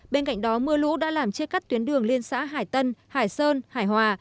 bên cạnh đó mưa lũ đã làm chê cắt tuyến đường liên xã hải tân hải sơn hải hòa